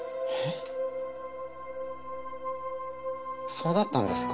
そうだったんですか？